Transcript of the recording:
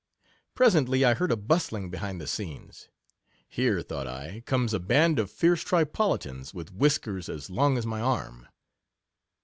Presently I heard a bustling be hind the scenes — here, thought I, comes a band of fierce Tripolitans, with whiskers as long as my arm.